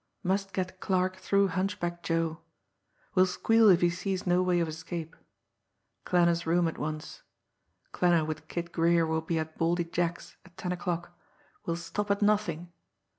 must get Clarke through Hunchback Joe ... will squeal if he sees no way of escape ... Klanner's room at once ... Klanner with Kid Greer will be at Baldy Jack's at ten o'clock ... will stop at nothing